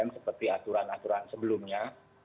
seperti aturan aturan sebelumnya